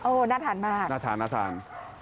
โอ้โฮน่าทานมากน่าทาน